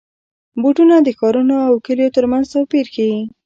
بوټونه د ښارونو او کلیو ترمنځ توپیر ښيي.